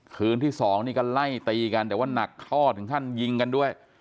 คืนที่๒นี่ก็ไล่ตีกันแต่ว่าหนักข้อถึงขั้นยิงกันด้วย